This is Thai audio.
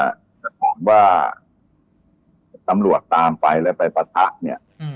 แต่ถามว่าตำรวจตามไปแล้วไปปะทะเนี่ย